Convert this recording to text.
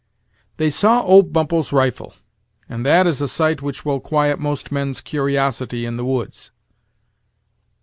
"They saw old Bumppo's rifle; and that is a sight which will quiet most men's curiosity in the woods."